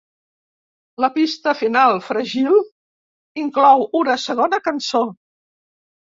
La pista final, "Fragile", inclou una segona cançó.